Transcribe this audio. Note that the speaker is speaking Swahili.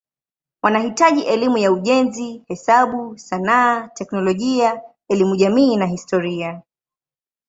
Wanahitaji elimu ya ujenzi, hesabu, sanaa, teknolojia, elimu jamii na historia.